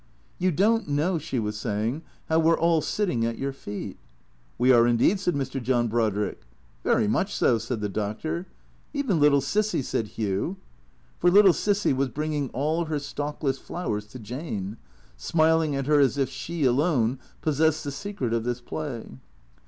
" You don't know," she was saying, " how we 're all sitting at your feet." "We are indeed," said Mr. John Brodrick. " Very much so," said the Doctor. " Even little Cissy," said Hugh. For little Cissy was bringing all her stalkless flowers to Jane; smiling at her as if she alone possessed the secret of this play.